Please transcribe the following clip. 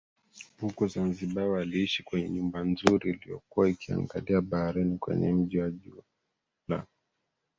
huko Zanzibar Waliishi kwenye nyumba nzuri iliyokuwa ikiangalia baharini kwenye mji wa jiwe la